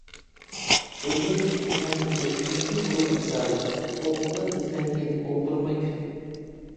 ئۆمۈر ھەم ئۆتكۈنچى بۇلۇت مىسالى، ئوقۇغىن، ئىزدەنگىن ئولتۇرماي كۈتۈپ.